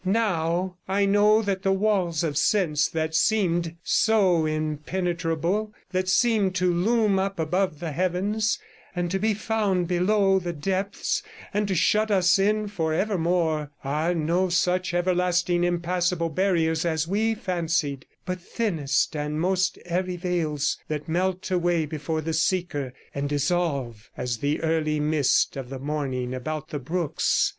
Now I know 120 that the walls of sense that seemed so impenetrable, that seemed to loom up above the heavens and to be founded below the depths, and to shut us in for evermore, are no such everlasting impassable barriers as we fancied, but thinnest and most airy veils that melt away before the seeker, and dissolve as the early mist of the morning about the brooks.